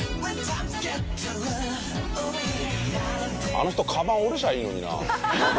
あの人カバン下ろしゃいいのにな。